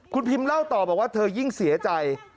คุณพิมเล่าต่อบอกว่าเธอยิ่งเสียใจ